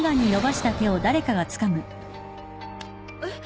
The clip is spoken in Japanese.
えっ？